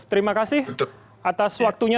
terima kasih atas waktunya